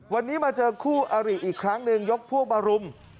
วันนี้มาเจอคู่อาริอีกครั้งหนึ่งยกพวกมารุม